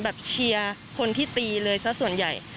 เชียร์คนที่ตีเลยซะส่วนใหญ่